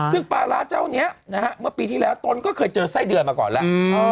ซึ่งปลาร้าเจ้านี้นะฮะเมื่อปีที่แล้วตนก็เคยเจอไส้เดือนมาก่อนแล้ว